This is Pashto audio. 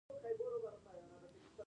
د افغانانو کورنۍ نظام تاریخي بڼه لري.